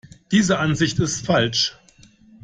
Diese Ansicht ist falsch.